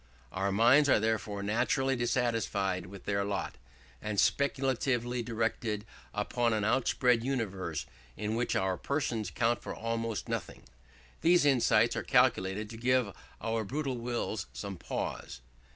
Our minds are therefore naturally dissatisfied with their lot and speculatively directed upon an outspread universe in which our persons count for almost nothing. These insights are calculated to give our brutal wills some pause.